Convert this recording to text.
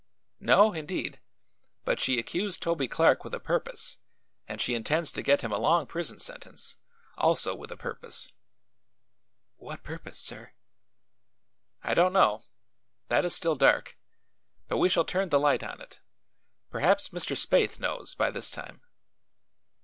"No, indeed; but she accused Toby Clark with a purpose, and she intends to get him a long prison sentence also with a purpose." "What purpose, sir?" "I don't know. That is still dark. But we shall turn the light on it. Perhaps Mr. Spaythe knows, by this time."